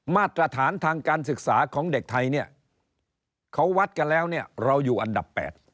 มาตรฐานทางการศึกษาของเด็กไทยเนี่ยเขาวัดกันแล้วเนี่ยเราอยู่อันดับ๘